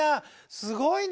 すごいな。